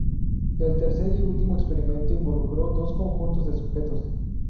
El tercer y último experimento involucró dos conjuntos de sujetos.